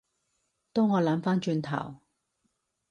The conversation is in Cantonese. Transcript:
當我諗返轉頭